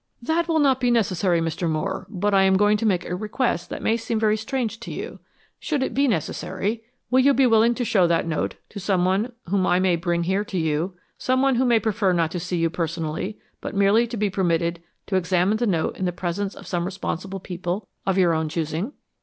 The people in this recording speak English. "That will not be necessary, Mr. Moore, but I am going to make a request that may seem very strange to you. Should it be necessary, would you be willing to show that note to some one whom I may bring here to you some one who may prefer not to see you personally, but merely to be permitted to examine the note in the presence of some responsible people of your own choosing?"